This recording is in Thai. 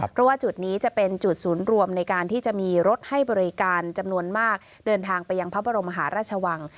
เพราะว่าจุดนี้จะเป็นจุดศูนย์รวมในการที่จะมีรถให้บริการจำนวนมากเดินทางไปยังพระบรมมหาราชวัง